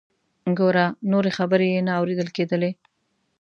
ګوره…. نورې خبرې یې نه اوریدل کیدلې.